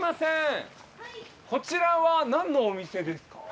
こちらはなんのお店ですか？